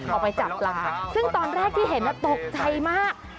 ออกไปจับปลาซึ่งตอนแรกที่เห็นตกใจมาก